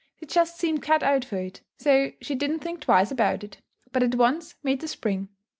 They just seemed cut out for it, so she didn't think twice about it, but at once made the spring.